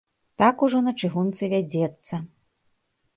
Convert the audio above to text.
Так ужо на чыгунцы вядзецца.